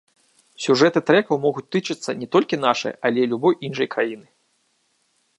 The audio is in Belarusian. Сюжэты трэкаў могуць тычыцца не толькі нашай, але і любой іншай краіны.